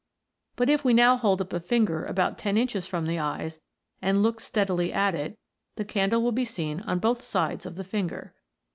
But if we now hold up a finger about ten inches from the eyes, and look steadily at it, the candle will be seen on both sides of the finger.